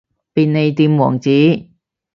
便利店王子